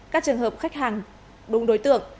các trường hợp khách hàng đúng đối tượng